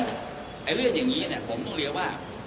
เอาเรื่องอย่างงี้เนี่ยต้องเลี้ยวว่า